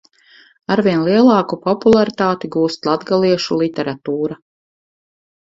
Aizvien lielāku popularitāti gūst latgaliešu literatūra.